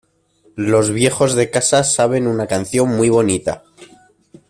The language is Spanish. Los viejos de casa saben una canción muy bonita.